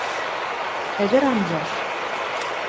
Ӹдӹр анжаш.